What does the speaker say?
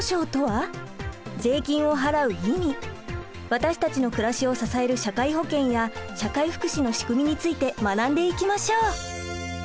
私たちの暮らしを支える社会保険や社会福祉の仕組みについて学んでいきましょう！